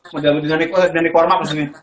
model dinamik warm up maksudnya